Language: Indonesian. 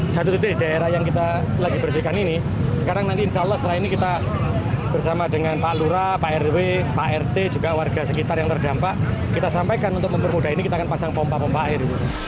satu titik di daerah yang kita lagi bersihkan ini sekarang nanti insya allah setelah ini kita bersama dengan pak lura pak rw pak rt juga warga sekitar yang terdampak kita sampaikan untuk mempermudah ini kita akan pasang pompa pompa air